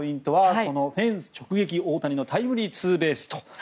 フェンス直撃大谷のタイムリーツーベース。